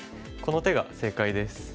この手が正解です。